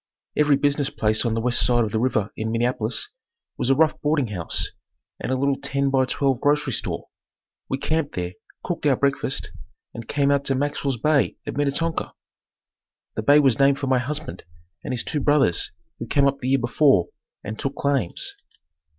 Every business place on the west side of the river in Minneapolis was a rough boarding house and a little ten by twelve grocery store. We camped there, cooked our breakfast, and came on out to Maxwell's bay at Minnetonka. The bay was named for my husband and his two brothers who came up the year before and took claims.